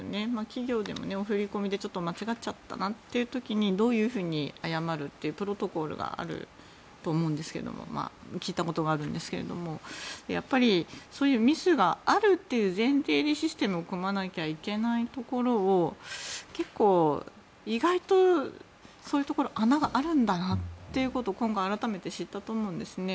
企業でも振り込みでちょっと間違ったなという時にどういうふうに謝るというプロトコルがあると思うんですが聞いたことがあるんですがそういうミスがあるという前提でシステムを組まなきゃいけないところを結構、意外とそういうところに穴があるんだなということを今回改めて知ったと思うんですよね。